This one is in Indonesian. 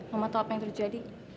mama tau apa yang terjadi